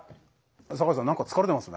酒井さんなんか疲れてますね。